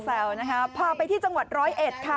แซวนะครับพอไปที่จังหวัดร้อยเอ็ด